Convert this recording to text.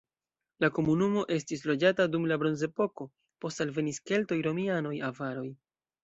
La komunumo estis loĝata dum la bronzepoko, poste alvenis keltoj, romianoj, avaroj.